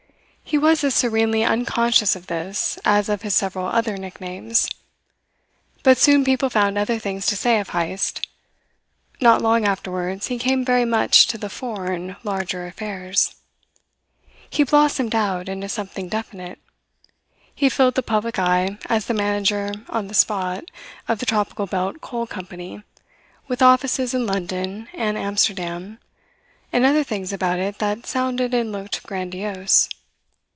He was as serenely unconscious of this as of his several other nicknames. But soon people found other things to say of Heyst; not long afterwards he came very much to the fore in larger affairs. He blossomed out into something definite. He filled the public eye as the manager on the spot of the Tropical Belt Coal Company with offices in London and Amsterdam, and other things about it that sounded and looked grandiose.